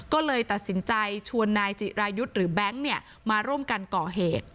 ก็เลยตัดสินใจชวนนายจิรายุทธ์หรือแบงค์มาร่วมกันก่อเหตุ